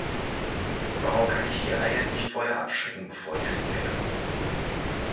Warum kann ich die Eier nicht vorher abschrecken, bevor ich sie pelle?